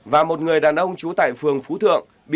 và một người đàn ông trú tại phường phú thượng